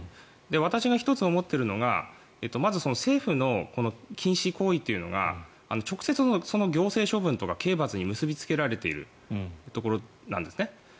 私が１つ思っているのがまず政府の禁止行為というのが直接行政処分とか刑罰に結びつけられているところだと。